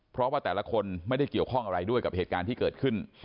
เพราะว่าแต่ละคนไม่ได้เกี่ยวข้องอะไรด้วยกับเหตุการณ์ที่เกิดขึ้น